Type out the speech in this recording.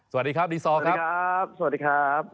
สวัสดีครับดีซอร์ครับ